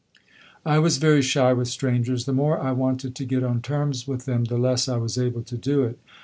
I was very shy with strangers. The more I wanted to get on terms with them the less I was able to do it.